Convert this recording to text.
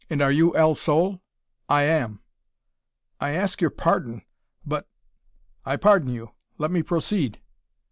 "And are you El Sol?" "I am." "I ask your pardon; but " "I pardon you. Let me proceed!"